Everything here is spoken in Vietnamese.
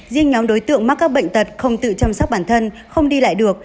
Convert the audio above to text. riêng nhóm đối tượng mắc các bệnh tật không tự chăm sóc bản thân không đi lại được